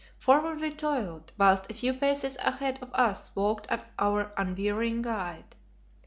Forward we toiled, whilst a few paces ahead of us walked our unwearying guide.